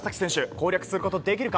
攻略することはできるのか。